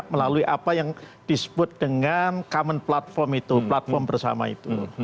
melalui apa yang disebut dengan common platform itu platform bersama itu